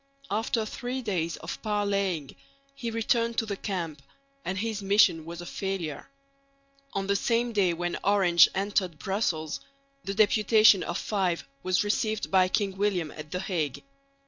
After three days of parleying he returned to the camp, and his mission was a failure. On the same day when Orange entered Brussels the deputation of five was received by King William at the Hague.